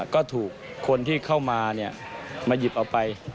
ก็ถูกคนที่เข้ามามาหยิบเอาไป